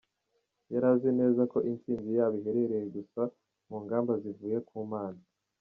Yari azi neza ko intsinzi yabo iherereye gusa mu ngamba zivuye ku mana.